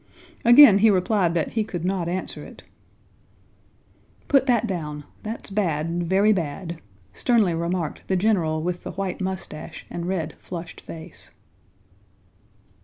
Again he replied that he could not answer it. "Put that down, that's bad... very bad," sternly remarked the general with the white mustache and red flushed face.